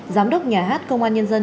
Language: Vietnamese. giám đốc nhà hát công an nhân dân